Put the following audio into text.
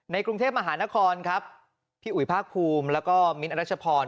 กรุงเทพมหานครครับพี่อุ๋ยภาคภูมิแล้วก็มิ้นทรัชพร